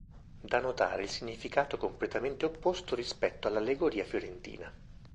Da notare il significato completamente opposto rispetto all'allegoria fiorentina.